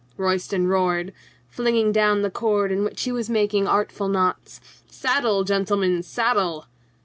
Royston roared, flinging down the cord in which he was making artful knots. "Saddle, gentlemen, saddle!"